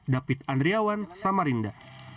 david andriawan samarinda